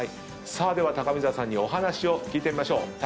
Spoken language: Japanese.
さあでは高見沢さんにお話を聞いてみましょう。